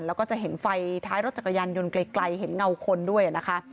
แล้วก็จะเห็นไฟท้ายรถจักรยานยนต์ไกลเห็นเงาคนด้วยนะคะ